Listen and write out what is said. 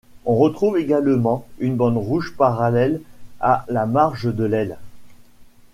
On retrouve également une bande rouge parallèle à la marge de l'aile.